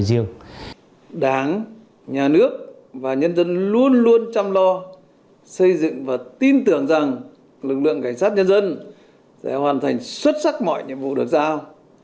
đảng nhà nước và nhân dân luôn luôn chăm lo xây dựng và tin tưởng rằng lực lượng cảnh sát nhân dân sẽ hoàn thành xuất sắc mọi nhiệm vụ được giao